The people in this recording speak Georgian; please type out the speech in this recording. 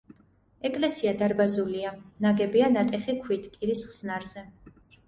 ეკლესია დარბაზულია, ნაგებია ნატეხი ქვით კირის ხსნარზე.